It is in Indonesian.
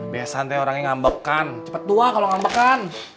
biasa nanti orangnya ngambekkan cepet tua kalau ngambekkan